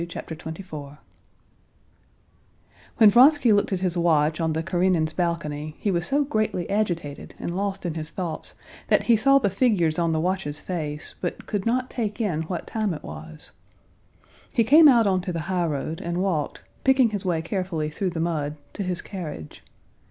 Chapter 24 When Vronsky looked at his watch on the Karenins' balcony, he was so greatly agitated and lost in his thoughts that he saw the figures on the watch's face, but could not take in what time it was. He came out on to the highroad and walked, picking his way carefully through the mud, to his carriage.